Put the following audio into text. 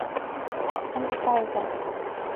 Ынде кайыза.